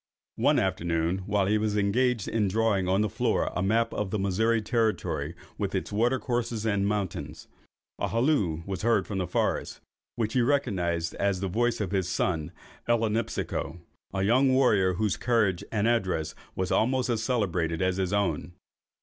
One afternoon, while he was engaged in drawing on the floor a map of the Missouri territory, with its water courses and mountains, a halloo was heard from the forest, which he recognised as the voice of his son Ellinipsico, a young warrior, whose courage and address was almost as celebrated as his own.